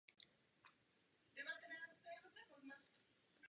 Začal věřit, že přežije.